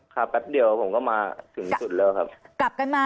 ครับแป๊บเดียวผมก็มาถึงจุดแล้วครับ